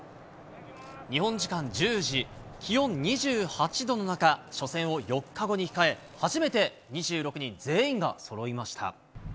日本時間１０時、気温２８度の中、初戦を４日後に控え、初めて２６人全員がそろいました。